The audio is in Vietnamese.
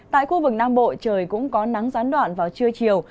tại khu vực nam bộ trời cũng có nắng gián đoạn vào trưa chiều